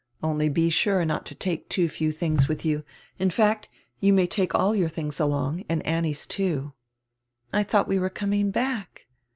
Only he sure not to take too few things with you. In fact, you may take all your things along, and Annie's too." "I drought we were coming hack."